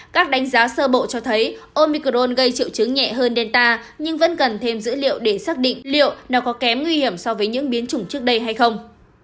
các đánh giá sơ bộ cho thấy omicron gây triệu chứng nhẹ hơn delta nhưng vẫn cần thêm dữ liệu để xác định liệu nó có kém nguy hiểm so với những biến chủng trước đây hay không